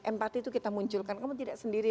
empati itu kita munculkan kamu tidak sendiri